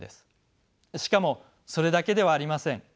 しかもそれだけではありません。